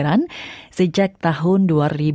dan terjadi banyak hal yang tidak terjadi